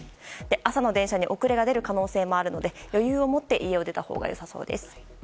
朝の電車に遅れが出る可能性もあるので余裕を持って家を出たほうがよさそうです。